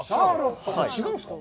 違うんですか？